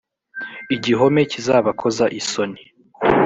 igihome kizabakoza isoni